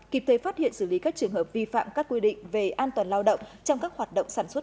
kịp thời phát hiện xử lý các trường hợp vi phạm các quy định về an toàn lao động trong các hoạt động sản xuất